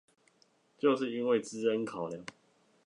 就是因為資安考量